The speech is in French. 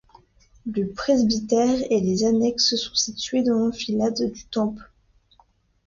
Le presbytère et les annexes sont situés dans l'enfilade du temple.